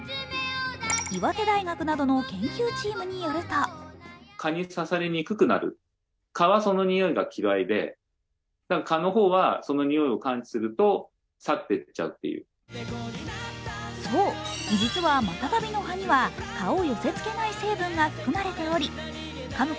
岩手大学などの研究チームによるとそう、実はまたたびの葉には蚊を寄せつけない成分が含まれておりかむ